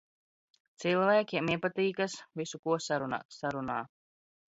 Cilv?kiem iepat?kas visu ko sarun?t, sarun?